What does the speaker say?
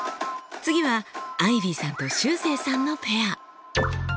次はアイビーさんとしゅうせいさんのペア。